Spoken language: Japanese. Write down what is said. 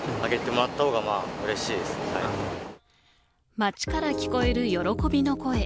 街から聞こえる喜びの声。